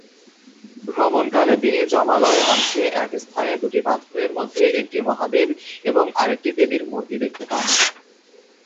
ভ্রমণকালে তিনি জলাময় অংশে এক স্থানে দুটি পাথরের মধ্যে একটি মহাদেব এবং আরেকটি দেবীর মূর্তি দেখতে পান।